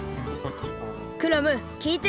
クラムきいて。